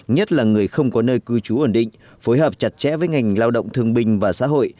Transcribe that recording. nhất là người không có nơi cư trú ổn định phối hợp chặt chẽ với ngành lao động thương bình và xã hội